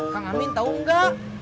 kang amin tau gak